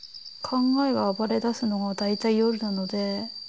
考えが暴れだすのが大体夜なので。